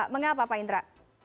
mengapa pak indra